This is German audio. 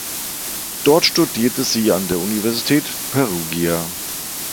Dort studierte sie an der Universität Perugia.